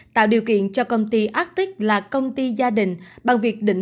tạo điều kiện cho công ty arctic là công ty gia đình